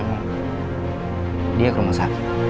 iya memang dia ke rumah sakit